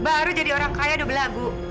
baru jadi orang kaya udah berlagu